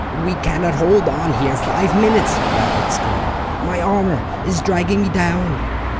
"We cannot hold on here five minutes," Ralph exclaimed, "my armour is dragging me down."